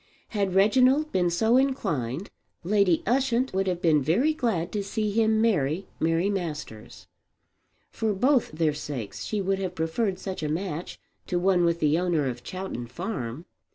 Had Reginald been so inclined Lady Ushant would have been very glad to see him marry Mary Masters. For both their sakes she would have preferred such a match to one with the owner of Chowton Farm.